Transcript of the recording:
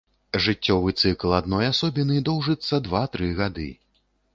Жыццёвы цыкл адной асобіны доўжыцца два-тры гады.